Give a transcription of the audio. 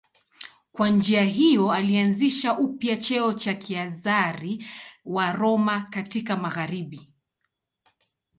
Kwa njia hiyo alianzisha upya cheo cha Kaizari wa Roma katika magharibi.